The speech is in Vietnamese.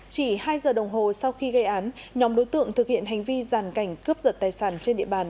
chỉ hai giờ đồng hồ sau khi gây án nhóm đối tượng thực hiện hành vi giàn cảnh cướp giật tài sản trên địa bàn